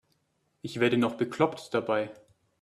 Ich werde noch bekloppt dabei.